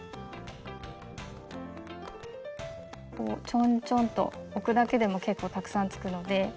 ちょんちょんと置くだけでも結構たくさんつくので。